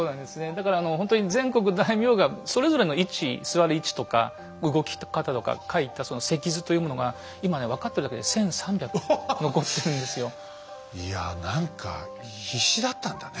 だからほんとに全国大名がそれぞれの位置座る位置とか動き方とかかいたその席図というものが今ね分かってるだけでいや何か必死だったんだね。